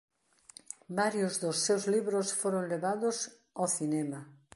Varios dos seus libros foron levados ao cinema.